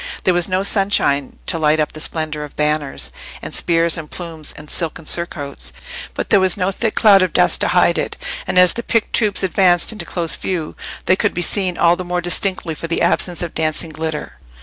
There was no sunshine to light up the splendour of banners, and spears, and plumes, and silken surcoats, but there was no thick cloud of dust to hide it, and as the picked troops advanced into close view, they could be seen all the more distinctly for the absence of dancing glitter.